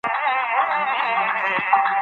د دلارام خلک په خپلو منځونو کي ډېر اتفاق لري